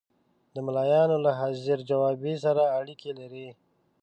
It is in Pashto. د ملایانو له حاضر جوابي سره اړیکې لري.